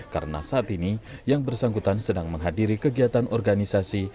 karena saat ini yang bersangkutan sedang menghadiri kegiatan organisasi